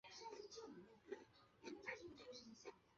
章宗的正室蒲察氏在他登基前就已经去世。